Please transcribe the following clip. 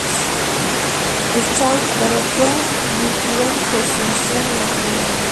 Schaub derrotó a Mitrione por sumisión en la primera ronda.